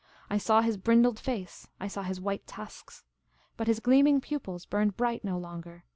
I .saw his brindled face ; I saw his white tusks. But his gleaming pupils burned bright no longer.